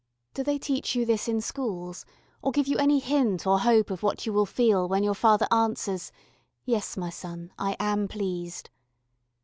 Do they teach you this in schools or give you any hint or hope of what you will feel when your Father answers: "Yes, My son, I am pleased."